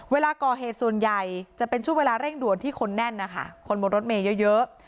เวลาก่อเหตุส่วนใหญ่จะเป็นช่วงเวลาเร่งด่วนที่คนแน่นนะคะคนบนรถเมย์เยอะ